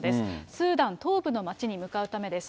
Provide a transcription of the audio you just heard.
スーダン東部の町に向かうためです。